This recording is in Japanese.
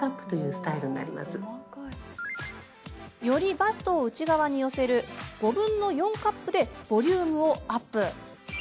よりバストを内側に寄せる５分の４カップでボリュームをアップ。